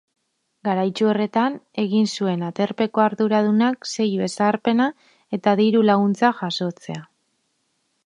Garaitsu horretan egin zuen aterpeko arduradunak seilu ezarpena eta diru-laguntza jasotzea.